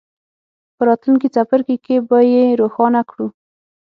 په راتلونکي څپرکي کې به یې روښانه کړو.